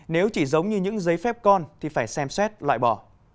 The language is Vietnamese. nếu chỉ giống như những giấy phép con thì phải xem xét loại bỏ